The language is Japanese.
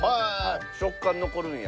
食感残るんや。